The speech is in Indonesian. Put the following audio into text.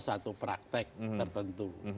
satu praktek tertentu